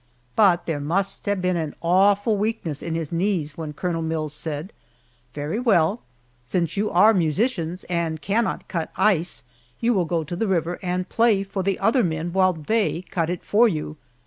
But there must have been an awful weakness in his knees when Colonel Mills said, "Very well, since you are musicians and cannot cut ice, you will go to the river and play for the other men while they cut it for you!"